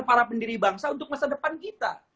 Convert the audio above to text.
para pendiri bangsa untuk masa depan kita